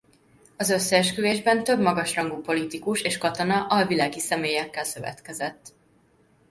Az összeesküvésben több magas rangú politikus és katona alvilági személyekkel szövetkezett.